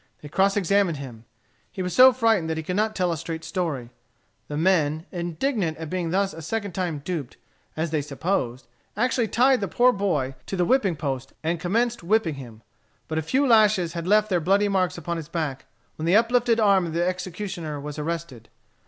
They cross examined him. He was so frightened that he could not tell a straight story. The men, indignant at being thus a second time duped, as they supposed, actually tied the poor boy to the whipping post and commenced whipping him. But a few lashes had left their bloody marks upon his back when the uplifted arm of the executioner was arrested.